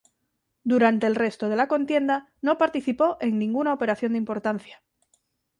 Durante el resto de la contienda no participó en ninguna operación de importancia.